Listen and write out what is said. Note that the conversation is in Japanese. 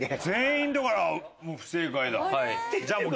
全員だからもう不正解だ。